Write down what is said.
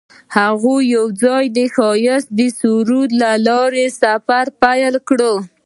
هغوی یوځای د ښایسته سرود له لارې سفر پیل کړ.